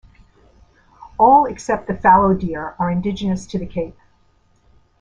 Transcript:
All except the fallow deer are indigenous to the Cape.